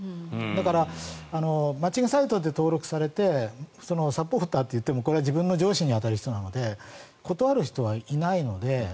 だから、マッチングサイトで登録されてサポーターといってもこれは自分の上司に当たる人なので断る人はいないので。